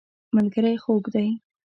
ملګری خوږ دی.